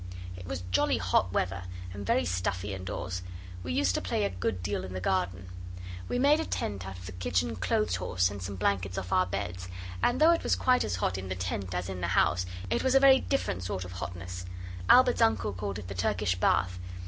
It was jolly hot weather, and very stuffy indoors we used to play a good deal in the garden. We made a tent out of the kitchen clothes horse and some blankets off our beds, and though it was quite as hot in the tent as in the house it was a very different sort of hotness. Albert's uncle called it the Turkish Bath.